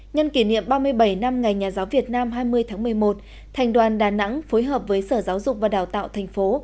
nhân kỷ niệm ba mươi bảy năm ngày nhà giáo việt nam hai mươi tháng một mươi một thành đoàn đà nẵng phối hợp với sở giáo dục và đào tạo thành phố